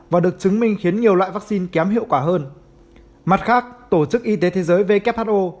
và được chứng minh khiến nhiều loại vaccine kém hiệu quả hơn mặt khác tổ chức y tế thế giới who